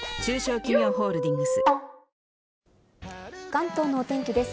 関東のお天気です。